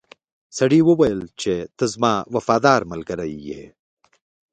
سړي وویل چې ته زما وفادار ملګری یې.